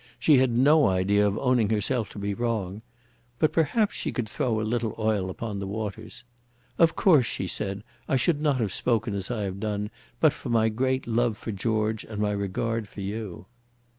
She had no idea of owning herself to be wrong. But perhaps she could throw a little oil upon the waters. "Of course," she said, "I should not have spoken as I have done but for my great love for George and my regard for you."